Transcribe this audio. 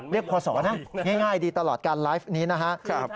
พศนะง่ายดีตลอดการไลฟ์นี้นะครับ